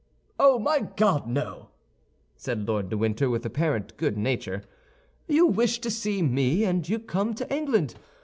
"Oh, my God, no!" said Lord de Winter, with apparent good nature. "You wish to see me, and you come to England.